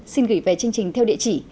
xin gửi về chương trình theo địa chỉ